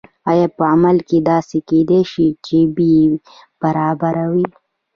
آیا په عمل کې داسې کیدای شي چې بیې برابرې وي؟